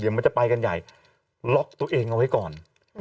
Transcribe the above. เดี๋ยวมันจะไปกันใหญ่ล็อกตัวเองเอาไว้ก่อน